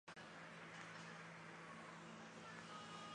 刺猬鳄的正模标本所构成。